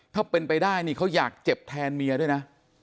ถ้าเป็นไปได้นี่เขาอยากเจ็บแทนเมียด้วยนะ